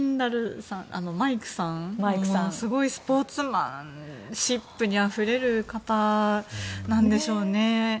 マイクさんはすごいスポーツマンシップにあふれる方なんでしょうね。